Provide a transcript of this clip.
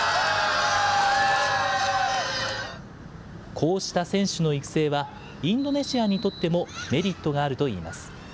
こうした選手の育成は、インドネシアにとってもメリットがあるといいます。